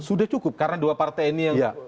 sudah cukup karena dua partai ini yang